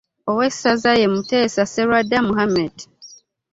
Owessaza ye Muteesa Sserwadda Muhammad